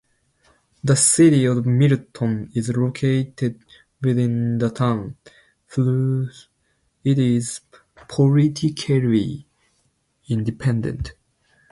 The City of Milton is located within the town, though it is politically independent.